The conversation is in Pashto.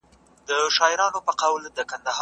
سوداګریزه پانګه تر بلې پانګي ډیره ګټه راوړي.